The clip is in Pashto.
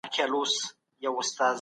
موږ په ښوونځي کښي حساب کوو.